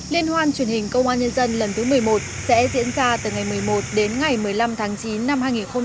liên hoan truyền hình công an nhân dân lần thứ một mươi một sẽ diễn ra từ ngày một mươi một đến ngày một mươi năm tháng chín năm hai nghìn hai mươi ba